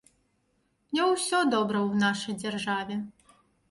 Не ўсё добра ў нашай дзяржаве.